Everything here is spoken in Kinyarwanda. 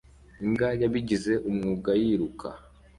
Imbwa yabigize umwuga yiruka